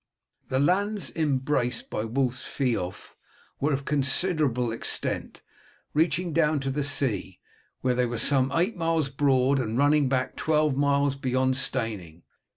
The lands embraced by Wulf's feof were of considerable extent, reaching down to the sea, where they were some eight miles broad, and running back twelve miles beyond Steyning.